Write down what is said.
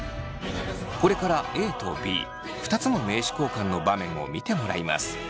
これからＡとＢ２つの名刺交換の場面を見てもらいます。